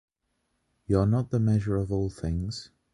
You're not the measure of all things.